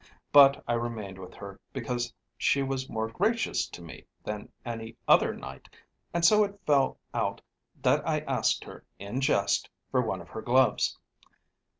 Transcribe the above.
But I remained with her, because she was more gracious to me than to any other knight, and so it fell out that I asked her in jest for one of her gloves.